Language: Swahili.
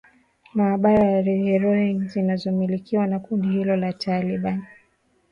maabara za heroin zinazomilikiwa na kundi hilo la taliban